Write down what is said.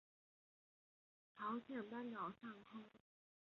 朝鲜半岛上空的一个短波槽给法茜的增强提供了有利的上层环境。